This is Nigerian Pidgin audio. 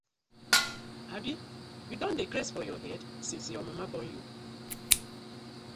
Abi yu don dey craze for head since yur mama born yu.